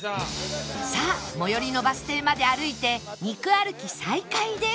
さあ最寄りのバス停まで歩いて肉歩き再開です